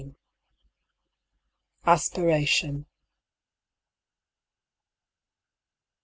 ASPIRATION.